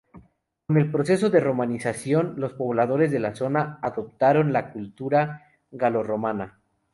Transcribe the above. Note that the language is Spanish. Con el proceso de romanización, los pobladores de la zona adoptaron la cultura galorromana.